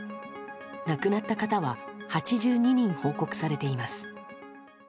亡くなった方は８２人報告されています。